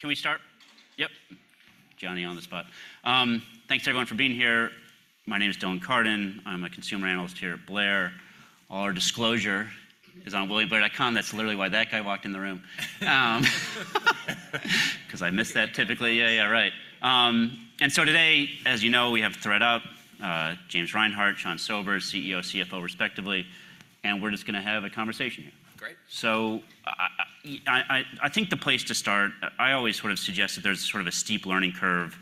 Can we start? Yep. Johnny on the spot. Thanks everyone for being here. My name is Dylan Carden. I'm a consumer analyst here at Blair. All our disclosure is on williamblair.com. That's literally why that guy walked in the room. 'Cause I miss that typically. Yeah, yeah, right. And so today, as you know, we have ThredUp, James Reinhart, Sean Sobers, CEO, CFO, respectively, and we're just gonna have a conversation here. Great. So, I think the place to start. I always sort of suggest that there's sort of a steep learning curve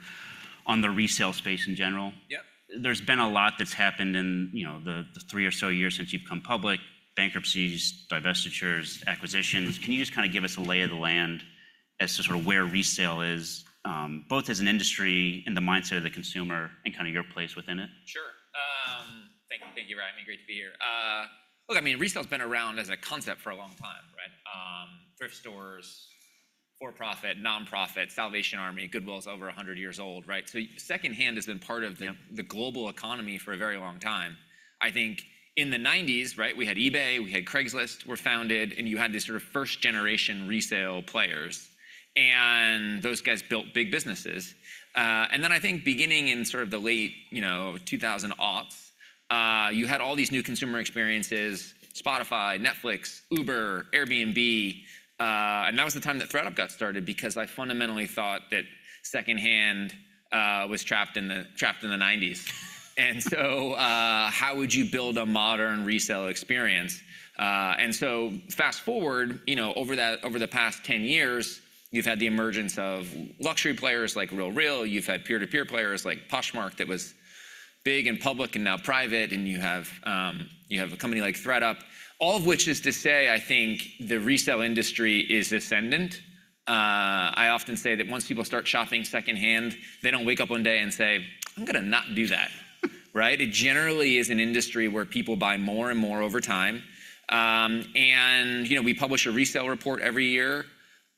on the resale space in general. Yep. There's been a lot that's happened in, you know, the three or so years since you've come public: bankruptcies, divestitures, acquisitions. Can you just kind of give us a lay of the land as to sort of where resale is, both as an industry and the mindset of the consumer, and kind of your place within it? Sure. Thank you. Thank you, Ryan. Great to be here. Look, I mean, resale's been around as a concept for a long time, right? Thrift stores, for-profit, nonprofit, Salvation Army, Goodwill's over a hundred years old, right? So secondhand has been part of the- Yep... the global economy for a very long time. I think in the '90s, right, we had eBay, we had Craigslist were founded, and you had these sort of first-generation resale players, and those guys built big businesses. And then I think beginning in sort of the late, you know, 2000s, you had all these new consumer experiences: Spotify, Netflix, Uber, Airbnb. And that was the time that ThredUp got started, because I fundamentally thought that secondhand was trapped in the, trapped in the '90s. And so, how would you build a modern resale experience? And so fast-forward, you know, over that, over the past 10 years, you've had the emergence of luxury players like RealReal, you've had peer-to-peer players like Poshmark that was big and public and now private, and you have, you have a company like ThredUp. All of which is to say, I think the resale industry is ascendant. I often say that once people start shopping secondhand, they don't wake up one day and say, "I'm gonna not do that." Right? It generally is an industry where people buy more and more over time. You know, we publish a resale report every year.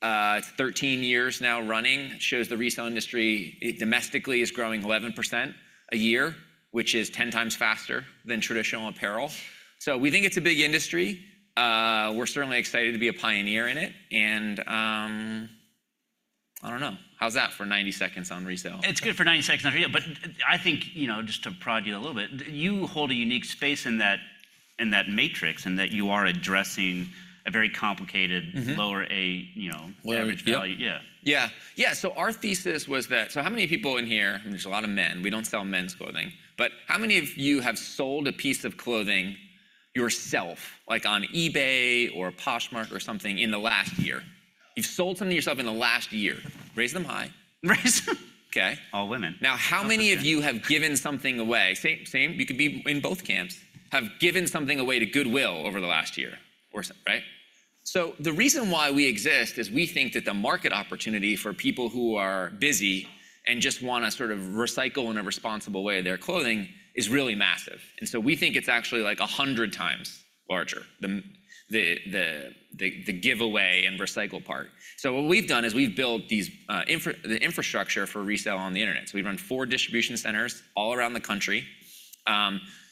It's 13 years now running. It shows the resale industry, it domestically is growing 11% a year, which is 10 times faster than traditional apparel. So we think it's a big industry. We're certainly excited to be a pioneer in it. I don't know. How's that for 90 seconds on resale? It's good for 90 seconds on resale, but I, I think, you know, just to prod you a little bit, you hold a unique space in that, in that matrix, in that you are addressing a very complicated- Mm-hmm... lower A, you know, average value. Yep. Yeah. Yeah. Yeah, so our thesis was that... So how many people in here, and there's a lot of men, we don't sell men's clothing, but how many of you have sold a piece of clothing yourself, like on eBay or Poshmark or something in the last year? You've sold something to yourself in the last year. Raise them high. Raise them. Okay. All women. Now, how many of you have given something away? Same, same, you could be in both camps, have given something away to Goodwill over the last year or so, right? So the reason why we exist is we think that the market opportunity for people who are busy and just wanna sort of recycle in a responsible way their clothing is really massive. And so we think it's actually, like, 100 times larger, the giveaway and recycle part. So what we've done is we've built the infrastructure for resale on the internet. So we run 4 distribution centers all around the country.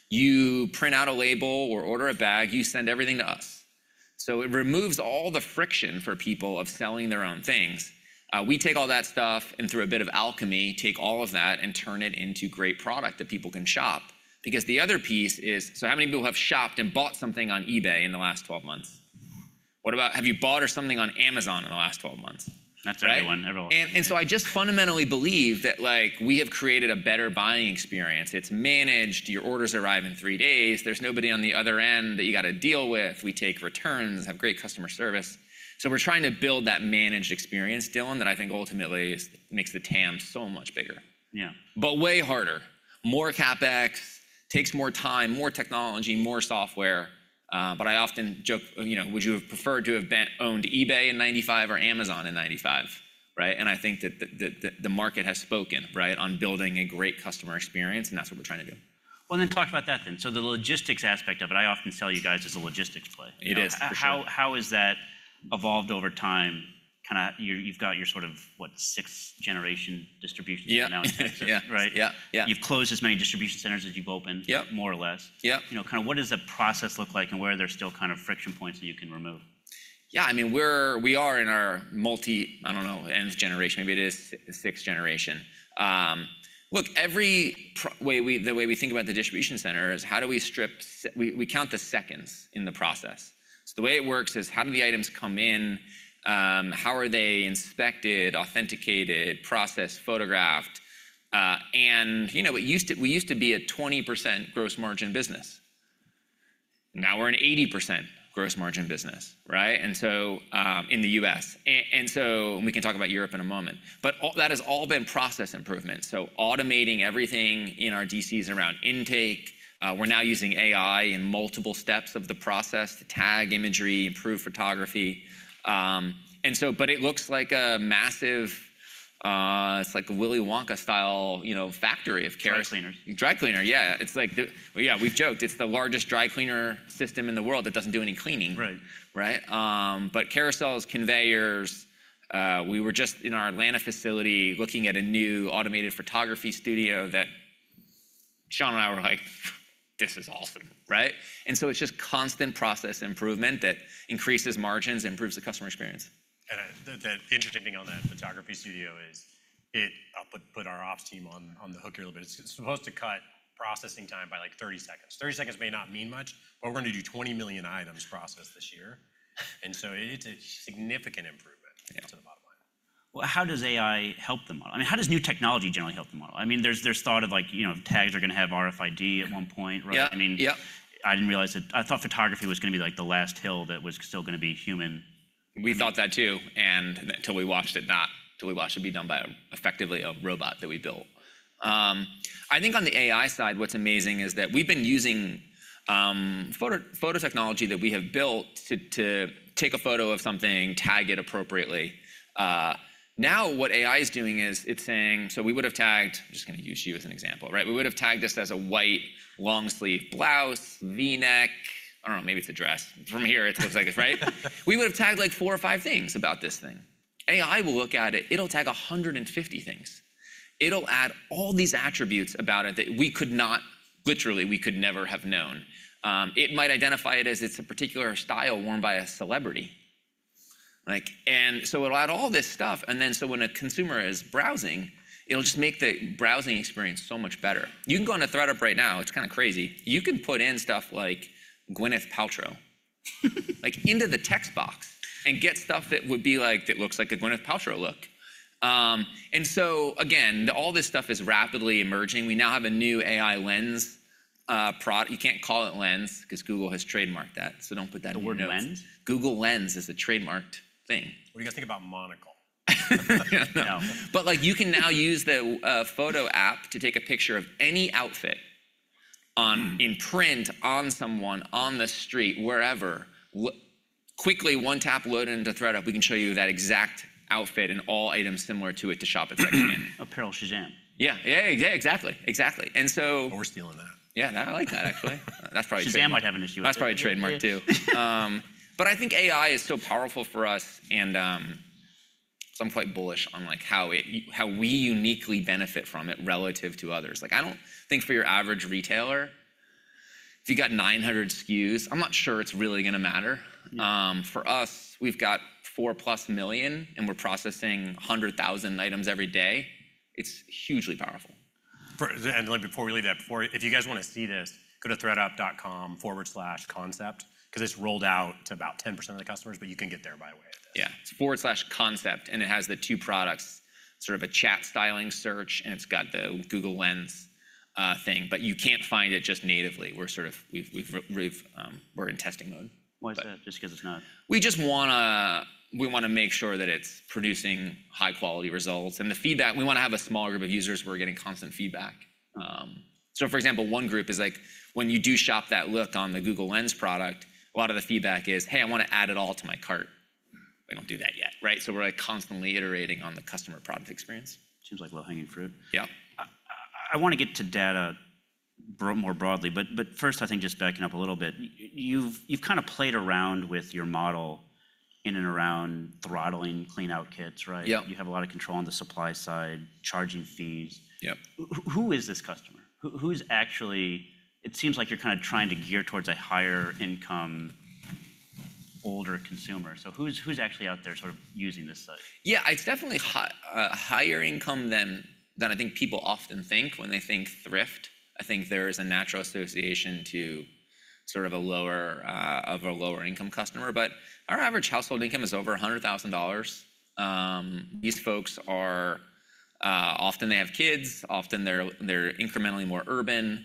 You print out a label or order a bag, you send everything to us. So it removes all the friction for people of selling their own things. We take all that stuff, and through a bit of alchemy, take all of that and turn it into great product that people can shop. Because the other piece is... So how many people have shopped and bought something on eBay in the last 12 months? What about have you bought something on Amazon in the last 12 months? That's everyone. Everyone. Right? And so I just fundamentally believe that, like, we have created a better buying experience. It's managed, your orders arrive in three days, there's nobody on the other end that you gotta deal with, we take returns, have great customer service. So we're trying to build that managed experience, Dylan, that I think ultimately is, makes the TAM so much bigger. Yeah. But way harder. More CapEx, takes more time, more technology, more software. But I often joke, you know, would you have preferred to have been owned eBay in 1995 or Amazon in 1995, right? And I think that the market has spoken, right, on building a great customer experience, and that's what we're trying to do. Well, then talk about that then. So the logistics aspect of it, I often tell you guys, is a logistics play. It is, for sure. How has that evolved over time? Kinda, you've got your sort of, what, sixth-generation distribution now? Yep. Yeah. Right? Yeah, yeah. You've closed as many distribution centers as you've opened- Yep... more or less. Yep. You know, kind of what does the process look like, and where are there still kind of friction points that you can remove? Yeah, I mean, we are in our multi, I don't know, nth generation, maybe it is sixth generation. Look, every way we, the way we think about the distribution center is, how do we strip, we count the seconds in the process. So the way it works is: How do the items come in? How are they inspected, authenticated, processed, photographed? And, you know, it used to, we used to be a 20% gross margin business. Now we're an 80% gross margin business, right? And so, in the US, and so. And we can talk about Europe in a moment. But that has all been process improvement, so automating everything in our DCs around intake. We're now using AI in multiple steps of the process to tag imagery, improve photography. And so but it looks like a massive, it's like a Willy Wonka-style, you know, factory of charac- Dry cleaner. Dry cleaner, yeah. It's like the... Yeah, we've joked, it's the largest dry cleaner system in the world that doesn't do any cleaning. Right. Right? But carousels, conveyors, we were just in our Atlanta facility, looking at a new automated photography studio. Sean and I were like, "This is awesome," right? And so it's just constant process improvement that increases margins and improves the customer experience. The interesting thing on that photography studio is it. I'll put our ops team on the hook here a little bit. It's supposed to cut processing time by, like, 30 seconds. 30 seconds may not mean much, but we're gonna do 20 million items processed this year- and so it's a significant improvement. Yeah... to the bottom line. Well, how does AI help the model? I mean, how does new technology generally help the model? I mean, there's thought of like, you know, tags are gonna have RFID at one point, right? Yeah. I mean- Yeah I didn't realize that. I thought photography was gonna be, like, the last hill that was still gonna be human. We thought that, too, until we watched it be done by, effectively, a robot that we built. I think on the AI side, what's amazing is that we've been using photo technology that we have built to take a photo of something, tag it appropriately. Now, what AI is doing is, it's saying... So we would've tagged, I'm just gonna use you as an example, right? We would've tagged this as a white long-sleeve blouse, V-neck. I don't know, maybe it's a dress. From here, it looks like it, right? We would've tagged, like, four or five things about this thing. AI will look at it, it'll tag 150 things. It'll add all these attributes about it that we could not, literally, we could never have known. It might identify it as it's a particular style worn by a celebrity. Like, and so it'll add all this stuff, and then so when a consumer is browsing, it'll just make the browsing experience so much better. You can go onto ThredUp right now, it's kind of crazy. You can put in stuff like Gwyneth Paltrow—like, into the text box, and get stuff that would be like, that looks like a Gwyneth Paltrow look. And so again, all this stuff is rapidly emerging. We now have a new AI lens. You can't call it lens, 'cause Google has trademarked that, so don't put that in your notes. The word lens? Google Lens is a trademarked thing. What do you guys think about monocle? No. But, like, you can now use the photo app to take a picture of any outfit in print, on someone, on the street, wherever. Quickly, one tap, load it into ThredUp, we can show you that exact outfit and all items similar to it to shop it secondhand. Apparel Shazam. Yeah. Yeah, yeah, exactly. Exactly. And so- Oh, we're stealing that. Yeah, no, I like that, actually. That's probably- Shazam might have an issue with that. That's probably trademarked, too. But I think AI is so powerful for us, and so I'm quite bullish on, like, how it, how we uniquely benefit from it relative to others. Like, I don't think for your average retailer, if you've got 900 SKUs, I'm not sure it's really gonna matter. Mm. For us, we've got 4+ million, and we're processing 100,000 items every day. It's hugely powerful. Like, before we leave that, if you guys wanna see this, go to thredup.com/concept, 'cause it's rolled out to about 10% of the customers, but you can get there by way of this. Yeah. It's a concept, and it has the two products, sort of a chat styling search, and it's got the Google Lens thing, but you can't find it just natively. We're sort of, we're in testing mode. Why is that? Just 'cause it's not- We just wanna, we wanna make sure that it's producing high-quality results. The feedback, we wanna have a small group of users where we're getting constant feedback. So for example, one group is like, when you do shop that look on the Google Lens product, a lot of the feedback is, "Hey, I wanna add it all to my cart. Mm. We don't do that yet, right? So we're, like, constantly iterating on the customer product experience. Seems like low-hanging fruit. Yeah. I wanna get to data more broadly, but first, I think just backing up a little bit. You've kind of played around with your model in and around throttling clean-out kits, right? Yeah. You have a lot of control on the supply side, charging fees. Yeah. Who is this customer? Who, who's actually... It seems like you're kind of trying to gear towards a higher-income, older consumer. So who's, who's actually out there sort of using this site? Yeah, it's definitely higher income than I think people often think when they think thrift. I think there is a natural association to sort of a lower of a lower-income customer. But our average household income is over $100,000. These folks are often they have kids, often they're incrementally more urban,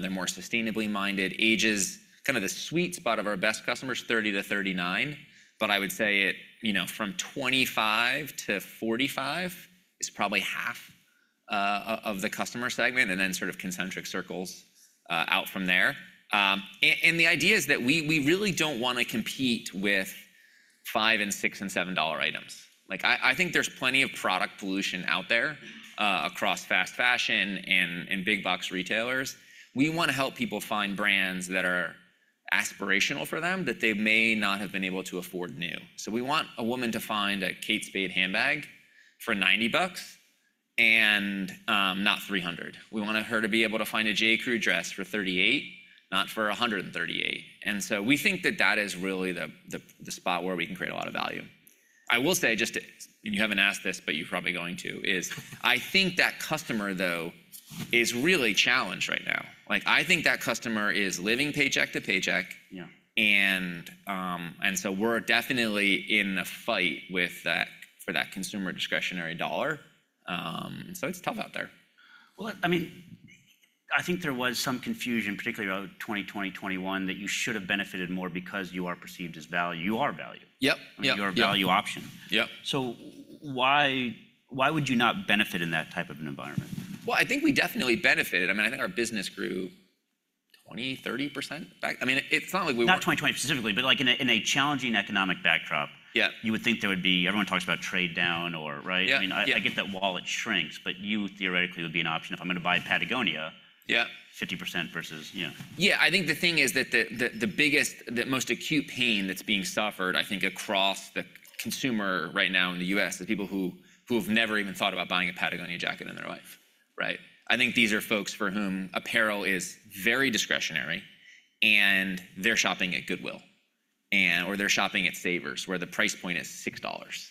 they're more sustainably minded. Age is kind of the sweet spot of our best customers, 30-39. But I would say it you know from 25-45 is probably half of the customer segment, and then sort of concentric circles out from there. And the idea is that we really don't wanna compete with $5 and $6 and $7 items. Like I think there's plenty of product pollution out there across fast fashion and big-box retailers. We wanna help people find brands that are aspirational for them, that they may not have been able to afford new. So we want a woman to find a Kate Spade handbag for $90 and not $300. We want her to be able to find a J.Crew dress for $38, not for $138. And so we think that that is really the spot where we can create a lot of value. I will say, just to, and you haven't asked this, but you're probably going to. I think that customer, though, is really challenged right now. Like, I think that customer is living paycheck to paycheck. Yeah... and, and so we're definitely in a fight with that, for that consumer discretionary dollar. So it's tough out there. Well, I mean, I think there was some confusion, particularly around 2020, 2021, that you should have benefited more because you are perceived as value. You are value. Yep. Yep, yep. You are a value option. Yep. So why, why would you not benefit in that type of an environment? Well, I think we definitely benefited. I mean, I think our business grew 20%-30% back... I mean, it's not like we weren't- Not 2020 specifically, but, like, in a challenging economic backdrop... Yeah... you would think there would be... Everyone talks about trade down or, right? Yeah, yeah. I mean, I get that wallet shrinks, but you theoretically would be an option. If I'm gonna buy Patagonia- Yeah... 50% versus, you know. Yeah, I think the thing is that the biggest, the most acute pain that's being suffered, I think, across the consumer right now in the U.S., the people who have never even thought about buying a Patagonia jacket in their life, right? I think these are folks for whom apparel is very discretionary, and they're shopping at Goodwill and or they're shopping at Savers, where the price point is $6.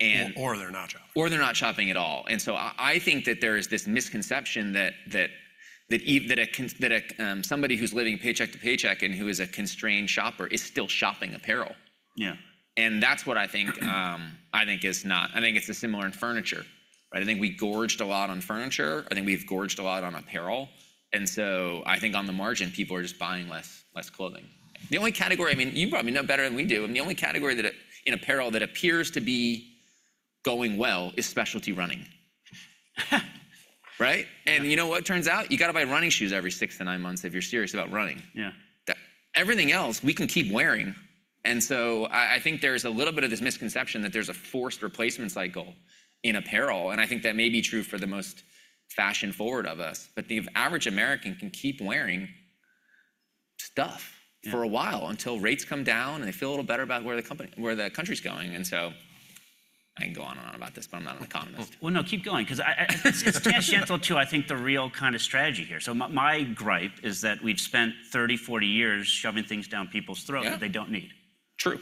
And- Or, or they're not shopping. Or they're not shopping at all. And so I think that there is this misconception that somebody who's living paycheck to paycheck and who is a constrained shopper is still shopping apparel. Yeah. I think it's similar in furniture, right? I think we gorged a lot on furniture. I think we've gorged a lot on apparel, and so I think on the margin, people are just buying less, less clothing. The only category, I mean, you probably know better than we do, I mean, the only category that, in apparel, that appears to be going well is specialty running. Right? Yeah. You know what it turns out? You've got to buy running shoes every 6-9 months if you're serious about running. Yeah. Everything else, we can keep wearing. And so I, I think there's a little bit of this misconception that there's a forced replacement cycle in apparel, and I think that may be true for the most fashion-forward of us, but the average American can keep wearing stuff- Yeah... for a while, until rates come down, and they feel a little better about where the company- where the country's going. And so I can go on and on about this, but I'm not an economist. Well, no, keep going, 'cause it's tangential to, I think, the real kind of strategy here. So my, my gripe is that we've spent 30, 40 years shoving things down people's throat- Yeah... that they don't need. True.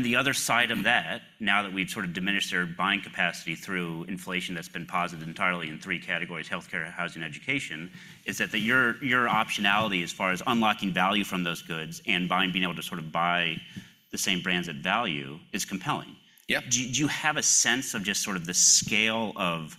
the other side of that, now that we've sort of diminished their buying capacity through inflation that's been positive entirely in three categories, healthcare, housing, and education, is that the... your optionality as far as unlocking value from those goods and buying, being able to sort of buy the same brands at value, is compelling. Yeah. Do you have a sense of just sort of the scale of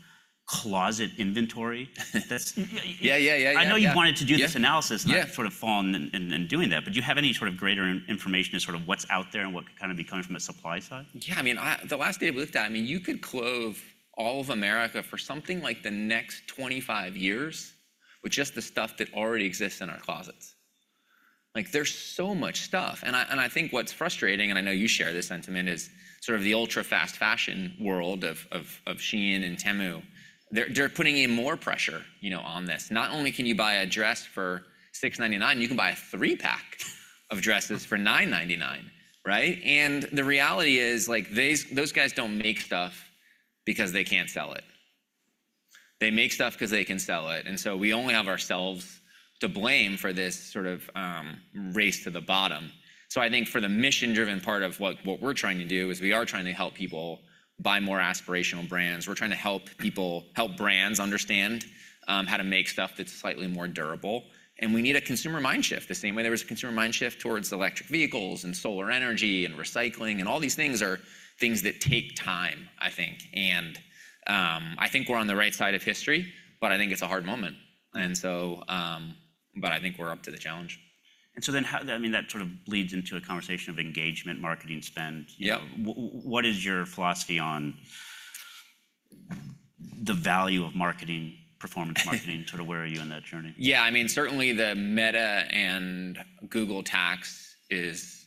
closet inventory that's- Yeah, yeah, yeah, yeah. I know you've wanted to do this analysis- Yeah, yeah... and sort of fallen in doing that. But do you have any sort of greater information as to sort of what's out there and what could kind of be coming from the supply side? Yeah, I mean, the last day I looked at it, I mean, you could clothe all of America for something like the next 25 years with just the stuff that already exists in our closets. Like, there's so much stuff, and I think what's frustrating, and I know you share this sentiment, is sort of the ultra-fast fashion world of Shein and Temu. They're putting even more pressure, you know, on this. Not only can you buy a dress for $6.99, you can buy a three-pack of dresses for $9.99, right? And the reality is, like, these guys don't make stuff because they can't sell it. They make stuff 'cause they can sell it, and so we only have ourselves to blame for this sort of race to the bottom. So I think for the mission-driven part of what we're trying to do, is we are trying to help people buy more aspirational brands. We're trying to help people... help brands understand how to make stuff that's slightly more durable. And we need a consumer mind shift, the same way there was a consumer mind shift towards electric vehicles and solar energy and recycling, and all these things are things that take time, I think. And I think we're on the right side of history, but I think it's a hard moment, and so... But I think we're up to the challenge. And so then, how... I mean, that sort of leads into a conversation of engagement, marketing spend. Yeah. What is your philosophy on the value of marketing, performance marketing? Sort of where are you on that journey? Yeah, I mean, certainly, the Meta and Google tax is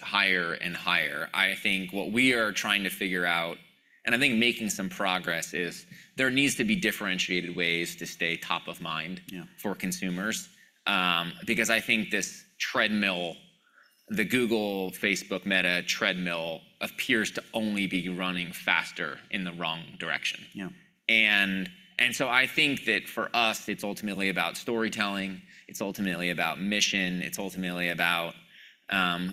higher and higher. I think what we are trying to figure out, and I think making some progress, is there needs to be differentiated ways to stay top of mind- Yeah... for consumers. Because I think this treadmill, the Google, Facebook, Meta treadmill, appears to only be running faster in the wrong direction. Yeah. And so I think that for us, it's ultimately about storytelling, it's ultimately about mission, it's ultimately about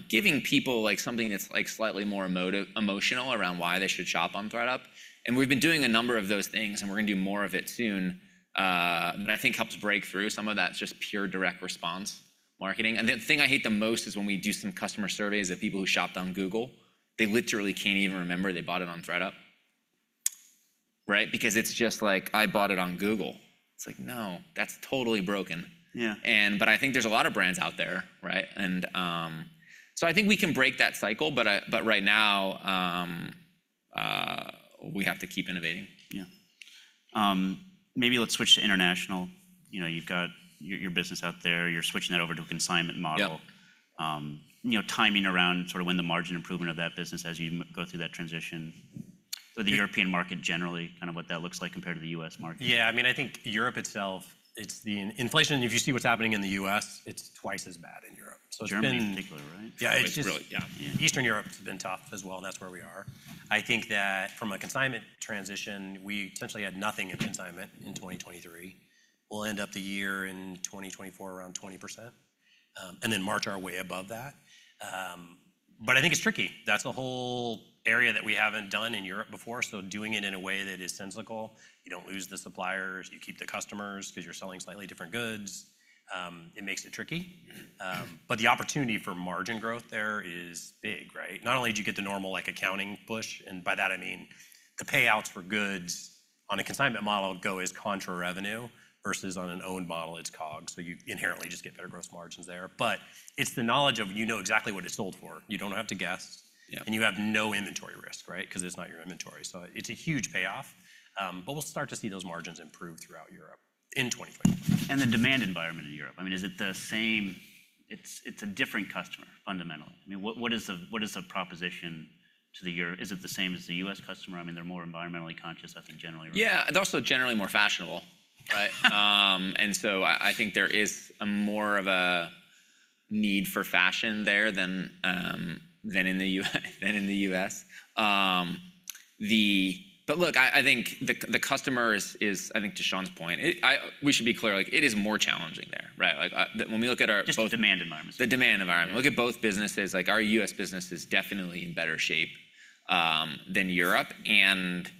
giving people, like, something that's, like, slightly more emotional around why they should shop on ThredUp. We've been doing a number of those things, and we're gonna do more of it soon that I think helps break through some of that just pure direct response marketing. The thing I hate the most is when we do some customer surveys of people who shopped on Google, they literally can't even remember they bought it on ThredUp. Right? Because it's just like, "I bought it on Google." It's like, no, that's totally broken. Yeah. I think there's a lot of brands out there, right? So I think we can break that cycle, but right now, we have to keep innovating. Yeah. Maybe let's switch to international. You know, you've got your business out there. You're switching that over to a consignment model. Yeah. You know, timing around sort of when the margin improvement of that business as you go through that transition. For the European market, generally, kind of what that looks like compared to the U.S. market. Yeah, I mean, I think Europe itself, it's the... In inflation, if you see what's happening in the U.S., it's twice as bad in Europe. So it's been- Germany in particular, right? Yeah, it's just- Yeah. Yeah. Eastern Europe has been tough as well, and that's where we are. I think that from a consignment transition, we essentially had nothing in consignment in 2023. We'll end up the year in 2024 around 20%, and then march our way above that. But I think it's tricky. That's a whole area that we haven't done in Europe before, so doing it in a way that is sensical, you don't lose the suppliers, you keep the customers, because you're selling slightly different goods, it makes it tricky. But the opportunity for margin growth there is big, right? Not only do you get the normal, like, accounting push, and by that I mean the payouts for goods on a consignment model go as contra revenue, versus on an owned model, it's COG. So you inherently just get better gross margins there. It's the knowledge of, you know, exactly what it sold for. You don't have to guess. Yeah. You have no inventory risk, right? Because it's not your inventory. It's a huge payoff, but we'll start to see those margins improve throughout Europe in 2024. The demand environment in Europe, I mean, is it the same? It's, it's a different customer, fundamentally. I mean, what, what is the, what is the proposition to the European, is it the same as the U.S. customer? I mean, they're more environmentally conscious, I think, generally. Yeah, they're also generally more fashionable, right? And so I think there is a more of a need for fashion there than in the US than in the US. But look, I think the customer is. I think to Sean's point, we should be clear, like, it is more challenging there, right? Like, when we look at our- Just the demand environment. The demand environment. Yeah. Look at both businesses, like our U.S. business is definitely in better shape than Europe, and...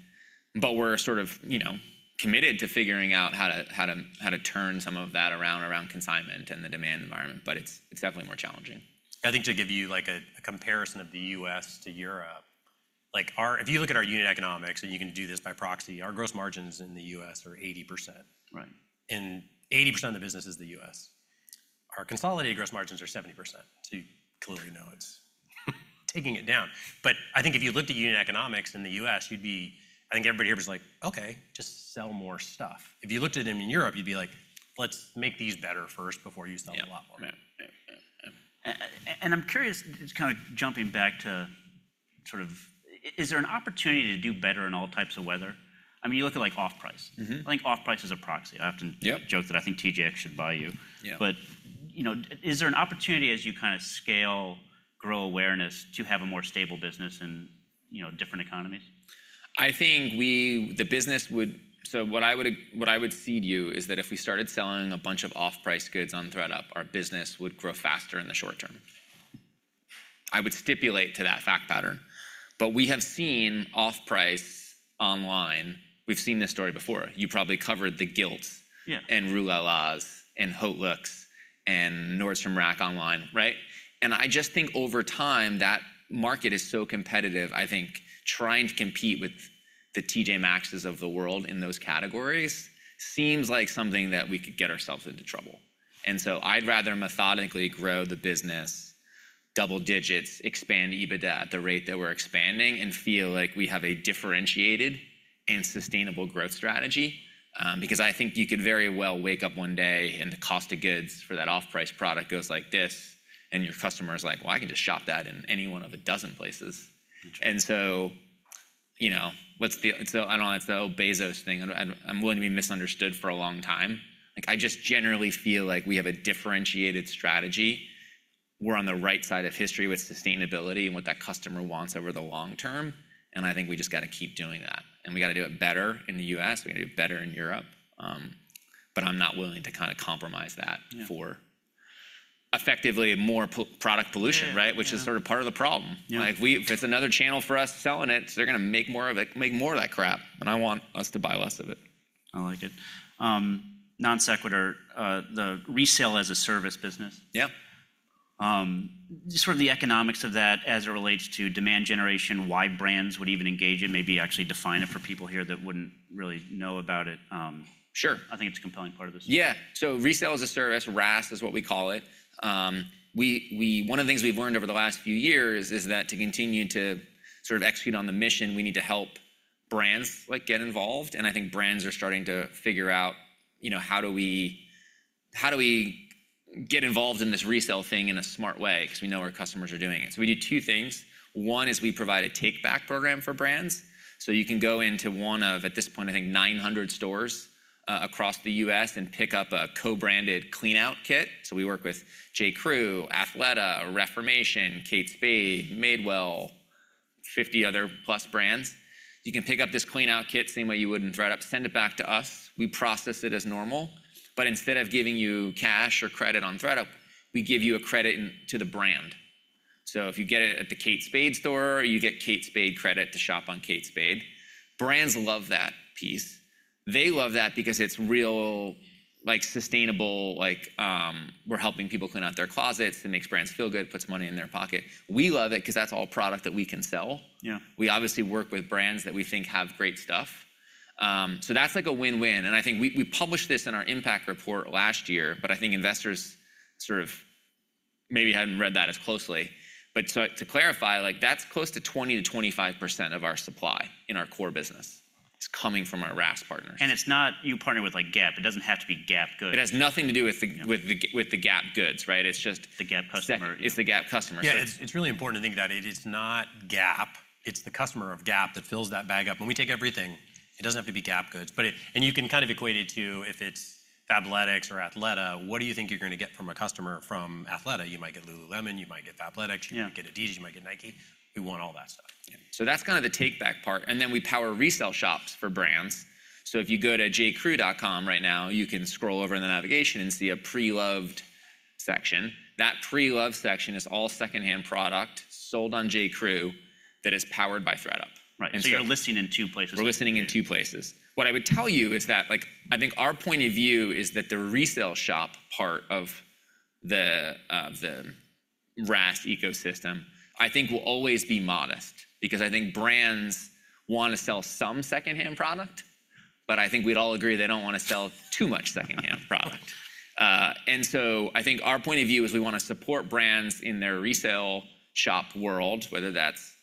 But we're sort of, you know, committed to figuring out how to turn some of that around, consignment and the demand environment, but it's definitely more challenging. I think to give you like a comparison of the U.S. to Europe, if you look at our unit economics, and you can do this by proxy, our gross margins in the U.S. are 80%. Right. 80% of the business is the U.S. Our consolidated gross margins are 70%, so you clearly know it's taking it down. But I think if you looked at unit economics in the U.S., you'd be... I think everybody here was like, "Okay, just sell more stuff." If you looked at them in Europe, you'd be like, "Let's make these better first before you sell a lot more. Yeah. Yeah, yeah, yeah. I'm curious, just kind of jumping back to sort of, is there an opportunity to do better in all types of weather? I mean, you look at like off-price. Mm-hmm. I think off-price is a proxy. I often- Yep... joke that I think TJX should buy you. Yeah. You know, is there an opportunity as you kind of scale, grow awareness to have a more stable business in, you know, different economies? I think the business would. So what I would cede you is that if we started selling a bunch of off-price goods on ThredUp, our business would grow faster in the short term. I would stipulate to that fact pattern. But we have seen off-price online; we've seen this story before. You probably covered The Gilt- Yeah... and Rue La La's, and HauteLook's, and Nordstrom Rack online, right? And I just think over time, that market is so competitive. I think trying to compete with the T.J. Maxx's of the world in those categories seems like something that we could get ourselves into trouble. And so I'd rather methodically grow the business double digits, expand EBITDA at the rate that we're expanding, and feel like we have a differentiated and sustainable growth strategy. Because I think you could very well wake up one day, and the cost of goods for that off-price product goes like this, and your customer is like, "Well, I can just shop that in any one of a dozen places. Interesting. So I don't know, it's the old Bezos thing, and I'm willing to be misunderstood for a long time. Like, I just generally feel like we have a differentiated strategy. We're on the right side of history with sustainability and what that customer wants over the long term, and I think we just gotta keep doing that. And we gotta do it better in the U.S., we gotta do it better in Europe. But I'm not willing to kind of compromise that. Yeah... for effectively more product pollution. Yeah. Right? Yeah. Which is sort of part of the problem. Yeah. Like, if it's another channel for us selling it, they're gonna make more of it, make more of that crap, and I want us to buy less of it. I like it. Non sequitur, the Resale-as-a-Service business. Yep. Sort of the economics of that as it relates to demand generation, why brands would even engage in, maybe actually define it for people here that wouldn't really know about it. Sure. I think it's a compelling part of this. Yeah. So Resale-as-a-Service, RaaS, is what we call it. One of the things we've learned over the last few years is that to continue to sort of execute on the mission, we need to help brands, like, get involved. And I think brands are starting to figure out, you know, how do we, how do we get involved in this resale thing in a smart way? Because we know our customers are doing it. So we do two things. One is we provide a take-back program for brands. So you can go into one of, at this point, I think 900 stores, across the U.S., and pick up a co-branded cleanout kit. So we work with J.Crew, Athleta, Reformation, Kate Spade, Madewell, 50 other plus brands. You can pick up this Clean Out Kit, same way you would in ThredUp, send it back to us, we process it as normal. But instead of giving you cash or credit on ThredUp, we give you a credit to the brand. So if you get it at the Kate Spade store, you get Kate Spade credit to shop on Kate Spade. Brands love that piece. They love that because it's real, like sustainable, like, we're helping people clean out their closets. It makes brands feel good, puts money in their pocket. We love it because that's all product that we can sell. Yeah. We obviously work with brands that we think have great stuff. So that's like a win-win, and I think we published this in our impact report last year, but I think investors sort of maybe hadn't read that as closely. But so to clarify, like, that's close to 20%-25% of our supply in our core business. It's coming from our RaaS partners. It's not, you partner with, like, Gap. It doesn't have to be Gap goods. It has nothing to do with the- Yeah... with the Gap goods, right? It's just- The Gap customer. It's the Gap customer. Yeah, it's really important to think about it. It is not Gap, it's the customer of Gap that fills that bag up. When we take everything, it doesn't have to be Gap goods, but it... And you can kind of equate it to if it's Fabletics or Athleta. What do you think you're gonna get from a customer from Athleta? You might get Lululemon, you might get Fabletics- Yeah... you might get Adidas, you might get Nike. We want all that stuff. So that's kind of the takeback part, and then we power resale shops for brands. So if you go to J.Crew.com right now, you can scroll over in the navigation and see a Preloved section. That Preloved section is all secondhand product sold on J.Crew that is powered by ThredUp. Right. And so- You're listing in two places. We're listing in two places. What I would tell you is that, like, I think our point of view is that the resale shop part of the, the RaaS ecosystem, I think will always be modest. Because I think brands want to sell some secondhand product, but I think we'd all agree they don't want to sell too much secondhand product. And so I think our point of view is we wanna support brands in their resale shop world, whether that's,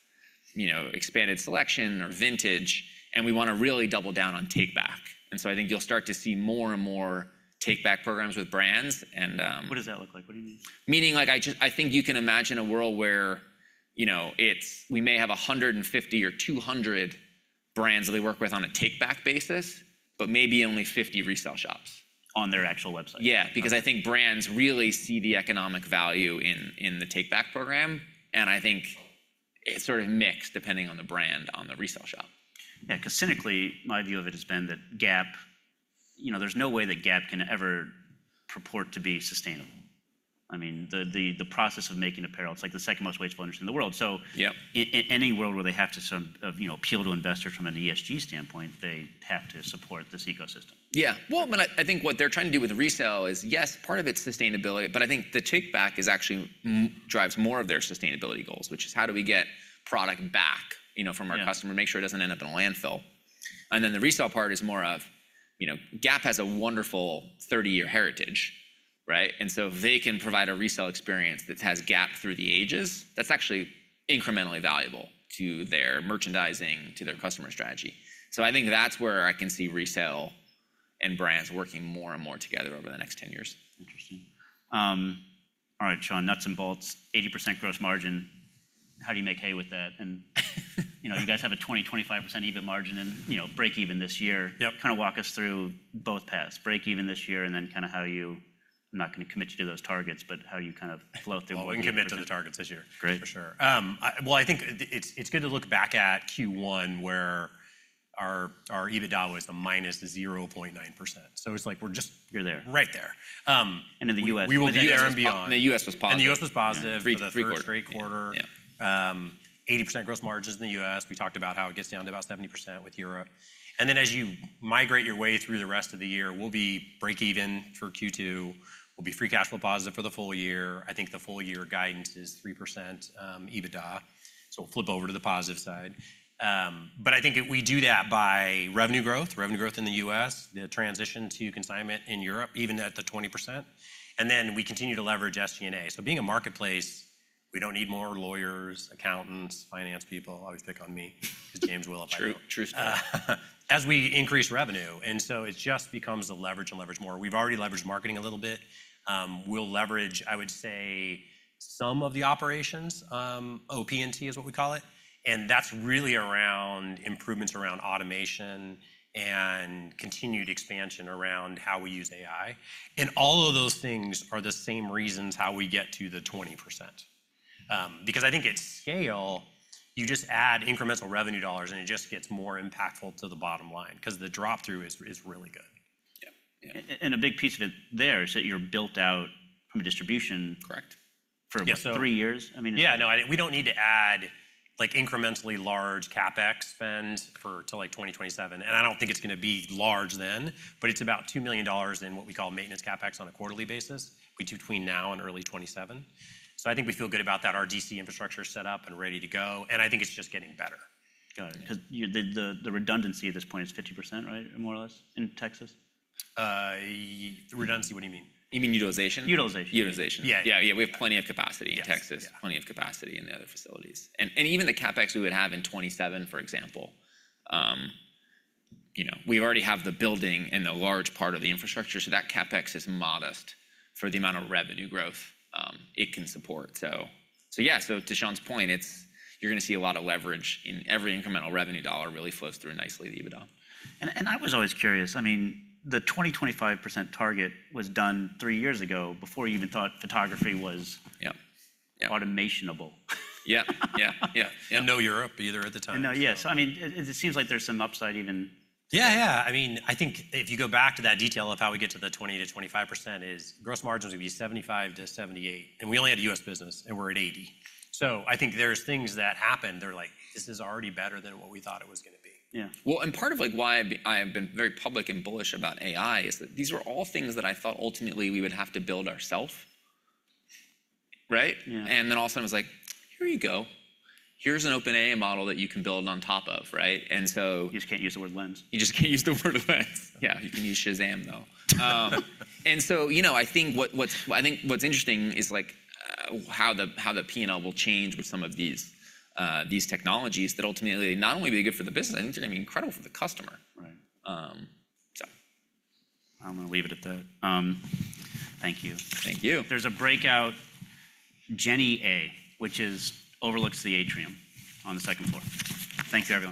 you know, expanded selection or vintage, and we wanna really double down on take-back. And so I think you'll start to see more and more take-back programs with brands, and What does that look like? What do you mean? Meaning like I think you can imagine a world where, you know, we may have 150 or 200 brands that they work with on a take back basis, but maybe only 50 resale shops. On their actual website? Yeah, because I think brands really see the economic value in, in the take back program, and I think it's sort of mixed, depending on the brand, on the resale shop. Yeah, 'cause cynically, my view of it has been that Gap, you know, there's no way that Gap can ever purport to be sustainable. I mean, the process of making apparel, it's like the second most wasteful industry in the world. So- Yeah... any world where they have to sort of, you know, appeal to investors from an ESG standpoint, they have to support this ecosystem. Yeah. Well, I mean, I think what they're trying to do with resale is, yes, part of it's sustainability, but I think the take back is actually drives more of their sustainability goals, which is how do we get product back, you know- Yeah... from our customer, make sure it doesn't end up in a landfill? And then the resale part is more of, you know, Gap has a wonderful 30-year heritage, right? And so they can provide a resale experience that has Gap through the ages, that's actually incrementally valuable to their merchandising, to their customer strategy. So I think that's where I can see resale and brands working more and more together over the next 10 years. Interesting. All right, Sean, nuts and bolts, 80% gross margin. How do you make hay with that? You know, you guys have a 20%-25% EBIT margin and, you know, break even this year. Yep. Kind of walk us through both paths, break even this year, and then kind of how you... I'm not gonna commit you to those targets, but how you kind of flow through- Oh, we can commit to the targets this year. Great. For sure. Well, I think it's good to look back at Q1, where our EBITDA was minus 0.9%. So it's like we're just- You're there... right there. in the U.S.- We will be there and beyond. The U.S. was positive. The U.S. was positive- Yeah... for the first straight quarter. Yeah. 80% gross margins in the U.S., we talked about how it gets down to about 70% with Europe. And then as you migrate your way through the rest of the year, we'll be break even for Q2, we'll be free cash flow positive for the full year. I think the full year guidance is 3%, EBITDA, so we'll flip over to the positive side. But I think we do that by revenue growth, revenue growth in the U.S., the transition to consignment in Europe, even at the 20%, and then we continue to leverage SG&A. So being a marketplace, we don't need more lawyers, accountants, finance people, always pick on me- 'cause James will, if I do. True, true story. As we increase revenue, and so it just becomes a leverage and leverage more. We've already leveraged marketing a little bit. We'll leverage, I would say, some of the operations, OP&T is what we call it, and that's really around improvements around automation and continued expansion around how we use AI. And all of those things are the same reasons how we get to the 20%. Because I think at scale, you just add incremental revenue dollars, and it just gets more impactful to the bottom line because the drop-through is really good. Yeah, yeah. A big piece of it there is that you're built out from a distribution- Correct... for what, 3 years? I mean- Yeah, no, I, we don't need to add, like, incrementally large CapEx spend for till, like, 2027. I don't think it's gonna be large then, but it's about $2 million in what we call maintenance CapEx on a quarterly basis, between now and early 2027. I think we feel good about that. Our DC infrastructure is set up and ready to go, and I think it's just getting better. Got it. Yeah. 'Cause the redundancy at this point is 50%, right? More or less in Texas. Redundancy, what do you mean? You mean utilization? Utilization. Utilization. Yeah. Yeah, yeah, we have plenty of capacity- Yes... in Texas, plenty of capacity in the other facilities. Even the CapEx we would have in 2027, for example, you know, we already have the building and the large part of the infrastructure, so that CapEx is modest for the amount of revenue growth it can support. Yeah, so to Sean's point, it's. You're gonna see a lot of leverage in every incremental revenue dollar really flows through nicely to EBITDA. And I was always curious, I mean, the 25% target was done three years ago before you even thought photography was- Yep, yep... automationable. Yeah, yeah, yeah. And- No Europe either at the time. No, yeah. So I mean, it seems like there's some upside even- Yeah, yeah. I mean, I think if you go back to that detail of how we get to the 20%-25% is gross margins will be 75%-78%, and we only had a U.S. business, and we're at 80%. So I think there's things that happened that are like, "This is already better than what we thought it was gonna be. Yeah. Well, and part of, like, why I have been very public and bullish about AI is that these were all things that I thought ultimately we would have to build ourselves. Right? Yeah. And then all of a sudden I was like, "Here you go. Here's an open AI model that you can build on top of," right? And so- You just can't use the word lens. You just can't use the word lens. Yeah, you can use Shazam, though. So, you know, I think what's interesting is like, how the P&L will change with some of these technologies that ultimately not only be good for the business, it's gonna be incredible for the customer. Right. Um, so... I'm gonna leave it at that. Thank you. Thank you. There's a breakout, Jenny A, which overlooks the atrium on the second floor. Thank you, everyone.